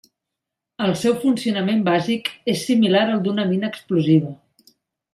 El seu funcionament bàsic és similar al d'una mina explosiva.